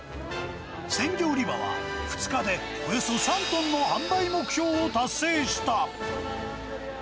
鮮魚売り場は２日でおよそ３トンの販売目標を達成した。